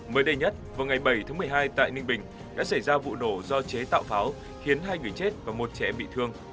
mới đây nhất vào ngày bảy tháng một mươi hai tại ninh bình đã xảy ra vụ nổ do chế tạo pháo khiến hai người chết và một trẻ bị thương